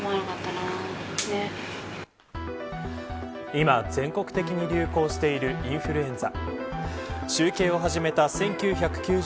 今、全国的に流行しているインフルエンザ。